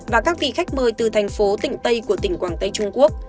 và các vị khách mời từ thành phố tỉnh tây của tỉnh quảng tây trung quốc